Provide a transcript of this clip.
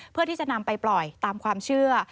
เพื่อที่จะนำไปปล่อยตามความเชื่อ